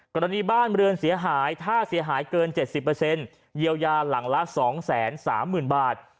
กรณีบ้านเรือนเสียหายถ้าเสียหายเกินเจ็บสิบเปอร์เซ็นต์เยียวยาหลังละสองแสนสามหมื่นบาท